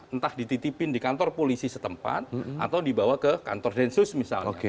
entah dititipin di kantor polisi setempat atau dibawa ke kantor densus misalnya